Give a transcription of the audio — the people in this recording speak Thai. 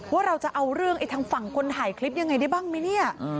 ว่าเราจะเอาเรื่องไอ้ทางฝั่งคนถ่ายคลิปยังไงได้บ้างไหมเนี่ย